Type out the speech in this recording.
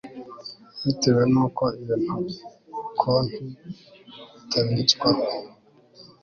bitewe n'uko iyo konti itakibitswaho